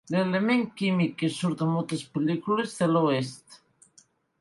L'element químic que surt a moltes pel·lícules de l'oest.